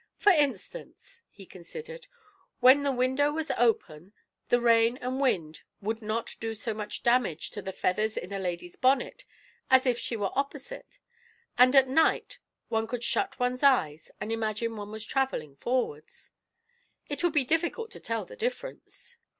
"For instance" he considered "when the window was open the rain and wind would not do so much damage to the feathers in a lady's bonnet as if she were opposite; and at night one could shut one's eyes and imagine one was travelling forwards it would be difficult to tell the difference."